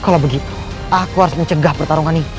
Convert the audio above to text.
kalau begitu aku harus mencegah pertarungan ini